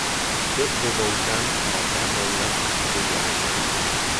Több próba után a Vernon lett a végleges neve.